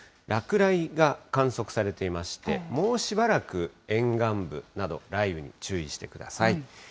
落雷が観測されていまして、もうしばらく沿岸部など、雷雨に注意してください。